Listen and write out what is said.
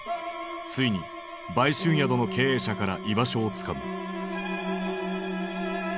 ついに売春宿の経営者から居場所をつかむ。